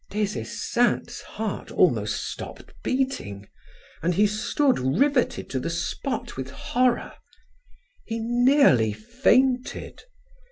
Des Esseintes' heart almost stopped beating and he stood riveted to the spot with horror. He nearly fainted.